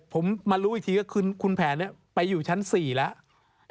ผมมารู้อีกทีก็คือคุณแผนไปอยู่ชั้น๔แล้ว